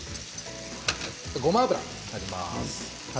あと、ごま油入ります。